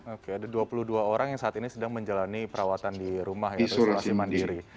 oke ada dua puluh dua orang yang saat ini sedang menjalani perawatan di rumah ya isolasi mandiri